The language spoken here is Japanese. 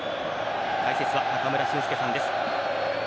解説は中村俊輔さんです。